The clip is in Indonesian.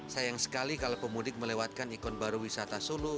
sayang sekali kalau pemudik melewatkan ikon baru wisata solo